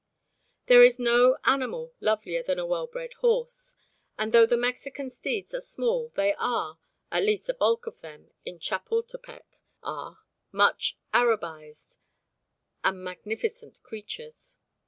There is no animal lovelier than a well bred horse, and though the Mexican steeds are small, they are at least the bulk of them in Chapultepec are much Arabised and magnificent creatures.